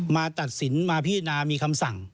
มาตัดสินมาพินามีคำสั่ง